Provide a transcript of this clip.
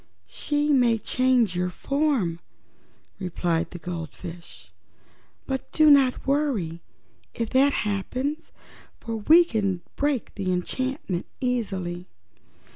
"She may change your form," replied the goldfish, "but do not worry if that happens, for we can break that enchantment easily.